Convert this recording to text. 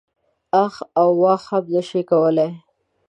اخ او واخ هم نه شم کولای.